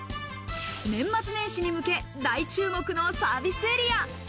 年末年始に向け、大注目のサービスエリア。